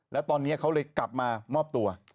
แล้วตอนนี้เขาเลยกลับมามอบตัว